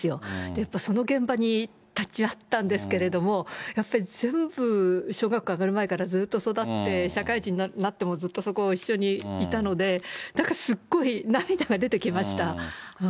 やっぱその現場に立ち会ったんですけども、やっぱり全部、小学校上がる前からずーっと育って、社会人になってもずっとそこ一緒にいたので、なんかすっごい涙が出てきました。